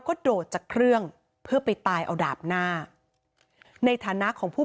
ก็โดดจากเครื่องเพื่อไปตายเอาดาบหน้าในฐานะของผู้